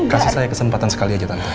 kasih saya kesempatan sekali aja